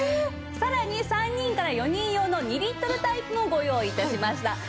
さらに３人から４人用の２リットルタイプもご用意致しました。